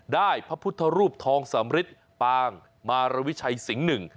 พระพุทธรูปทองสำริทปางมารวิชัยสิงห์หนึ่ง